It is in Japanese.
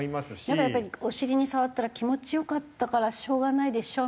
なんかやっぱりお尻に触ったら気持ち良かったからしょうがないでしょ？